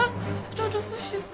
どどどうしよう。